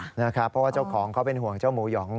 เพราะว่าเจ้าของเขาเป็นห่วงเจ้าหมูหยอง